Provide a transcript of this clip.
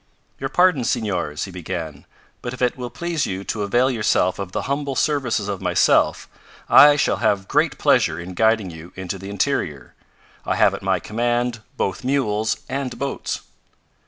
"Your pardons, Senors," he began, "but if it will please you to avail yourself of the humble services of myself, I shall have great pleasure in guiding you into the interior. I have at my command both mules and boats."